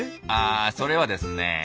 あそれはですね